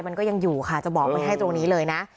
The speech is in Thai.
มันก็ยังอยู่ค่ะจะบอกไว้ให้ตรงนี้เลยนะ